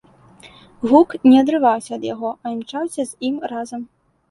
Гук не адрываўся ад яго, а імчаўся з ім разам.